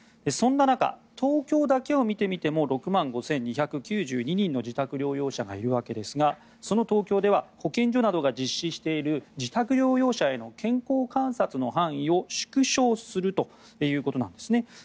そんな中、東京だけを見てみても６万５２９２人の自宅療養者がいるわけですがその東京では保健所などが実施している自宅療養者への健康観察の範囲を縮小するということなんですね。